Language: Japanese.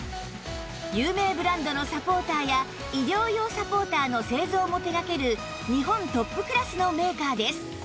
有名ブランドのサポーターや医療用サポーターの製造も手掛ける日本トップクラスのメーカーです